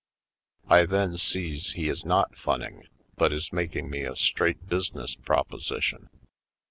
I then sees he is not funning but is mak ing me a straight business proposition.